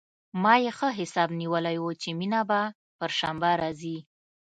ما يې ښه حساب نيولى و چې مينه به پر شنبه راځي.